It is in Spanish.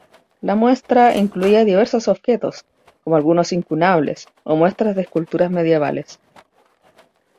La muestra incluía diversos objetos como algunos incunables o muestras de esculturas medievales.